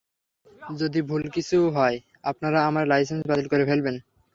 যদি ভূল কিছু হয়, আপনারা আমার লাইসেন্স বাতিল করে ফেলবেন।